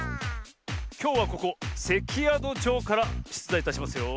きょうはここせきやどじょうからしゅつだいいたしますよ。